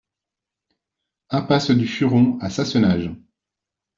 Impasse du Furon à Sassenage